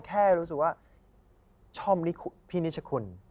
แค่รู้สึกว่าชอบพี่นิชคุณ